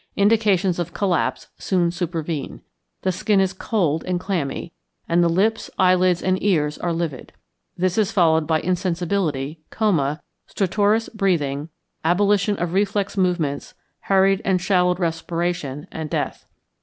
Indications of collapse soon supervene. The skin is cold and clammy, and the lips, eyelids, and ears, are livid. This is followed by insensibility, coma, stertorous breathing, abolition of reflex movements, hurried and shallowed respiration, and death.